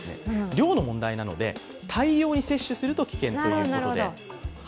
量の問題なので大量に摂取すると危険ということで。